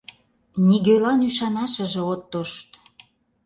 Нигӧлан ӱшанашыже от тошт.